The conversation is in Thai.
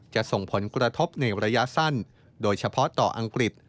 จะส่งผลกระทบในระยะสั้นโดยเฉพาะต่ออังกฤษ